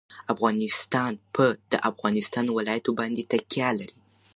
افغانستان په د افغانستان ولايتونه باندې تکیه لري.